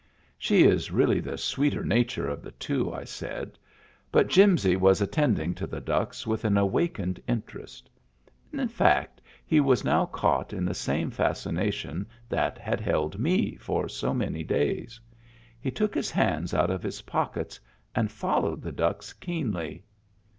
" She is really the sweeter nature of the two," I said. But Jimsy was attending to the ducks with an awakened interest ; in fact, he was now caught in the same fascination that had held me for so many days. He took his hands out of his pockets and followed the ducks keenly.